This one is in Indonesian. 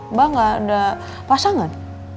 mbak gak ada pasangan